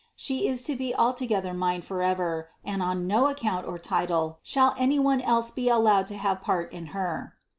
She is to be altogether mine forever and on no account or title shall any one else be allowed to have part in Her."